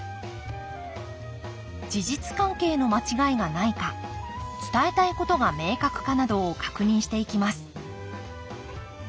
事実関係の間違いがないか伝えたいことが明確かなどを確認していきます。